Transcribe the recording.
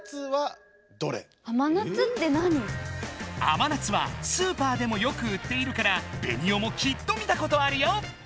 甘夏はスーパーでもよく売っているからベニオもきっと見たことあるよ！